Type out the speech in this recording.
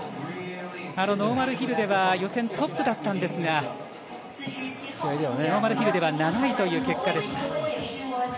ノーマルヒルでは予選トップだったんですがノーマルヒルでは７位という結果でした。